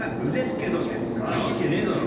なわけねえだろ。